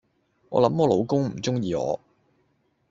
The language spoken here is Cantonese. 我諗我老公唔鍾意我